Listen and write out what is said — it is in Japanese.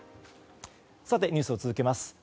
ニュースを続けます。